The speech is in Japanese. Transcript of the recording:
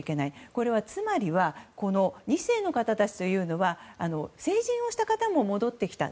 これは、つまりは２世の方たちというのは成人をした方も戻ってきた。